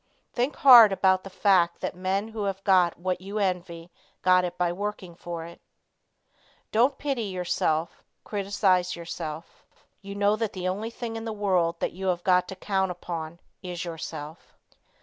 Think hard about the fact that men who have got what you envy got it by working for it. Don't pity yourself, criticise yourself. You know that the only thing in the world that you have got to count upon is yourself.